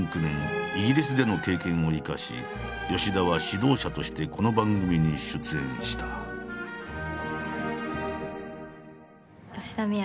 ２００９年イギリスでの経験を生かし吉田は指導者としてこの番組に出演した。